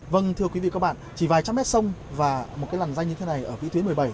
vâng thưa quý vị và các bạn chỉ vài trăm mét sông và một cái làn danh như thế này ở vị tuyến một mươi bảy